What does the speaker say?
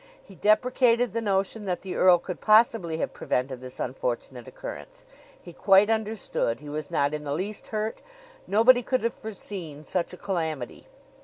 He deprecated the notion that the earl could possibly have prevented this unfortunate occurrence. He quite understood. He was not in the least hurt. Nobody could have foreseen such a calamity.